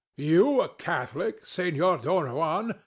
you a Catholic, Senor Don Juan!